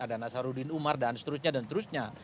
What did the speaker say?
ada nasaruddin umar dan seterusnya dan seterusnya